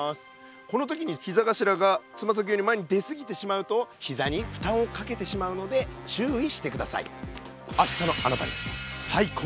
この時にひざがしらがつまさきより前にですぎてしまうとひざにふたんをかけてしまうので注意してください。